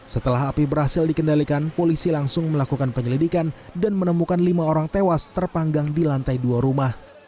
setelah api berhasil dikendalikan polisi langsung melakukan penyelidikan dan menemukan lima orang tewas terpanggang di lantai dua rumah